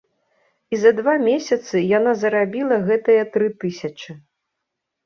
І за два месяцы яна зарабіла гэтыя тры тысячы!